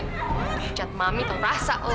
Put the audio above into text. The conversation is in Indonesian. ujat mami tuh rasa lo